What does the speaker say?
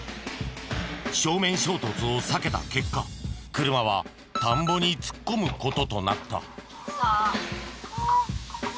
正面衝突を避けた結果車は田んぼに突っ込む事となった。